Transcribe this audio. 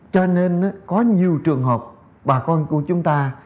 cho nên có nhiều trường hợp bà con của chúng ta